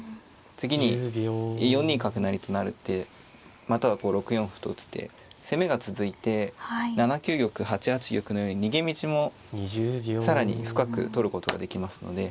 次に４二角成と成る手またはこう６四歩と打つ手攻めが続いて７九玉８八玉のように逃げ道も更に深くとることができますので。